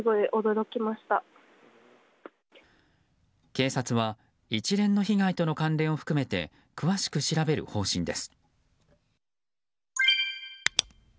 警察は一連の被害との関連を含めて、詳しく調べる方針です。